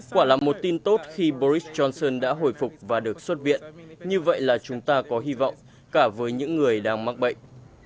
quả là một tin tốt khi boris johnson đã hồi phục và được xuất viện như vậy là chúng ta có hy vọng cả với những người đang mắc bệnh